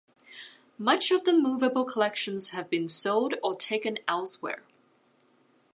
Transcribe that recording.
Much of the movable collections have been sold or taken elsewhere.